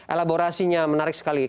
elaborasinya menarik sekali